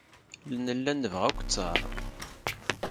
Nella nebɣa akk ttaṛ.